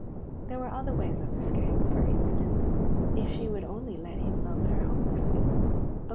There were other ways of escape. For instance, if she would only let him love her hopelessly.